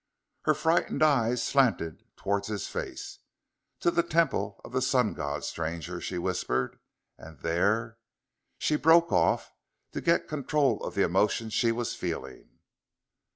Her frightened eyes slanted towards his face. "To the Temple of the Sun God, Stranger," she whispered. "And there " She broke off, to get control of the emotion she was feeling.